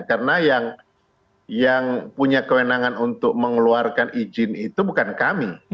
karena yang punya kewenangan untuk mengeluarkan izin itu bukan kami